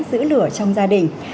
giữ lửa trong gia đình